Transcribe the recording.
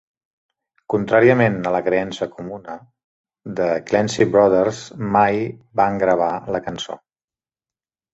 Contràriament a la creença comuna, The Clancy Brothers mai van gravar la cançó.